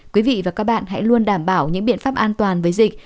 quý vị và các bạn hãy luôn đảm bảo những biện pháp an toàn với dịch